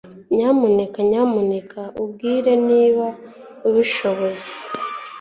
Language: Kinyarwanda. nyamuneka nyamuneka ubwire niba ubishoboye